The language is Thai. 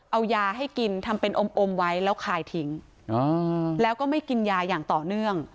เอายาให้กินทำเป็นอมไว้แล้วคายทิ้งแล้วก็ไม่กินยาอย่างต่อเนื่อง